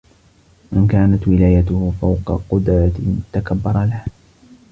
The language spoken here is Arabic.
مَنْ كَانَتْ وِلَايَتُهُ فَوْقَ قُدْرَةٍ تَكَبَّرَ لَهَا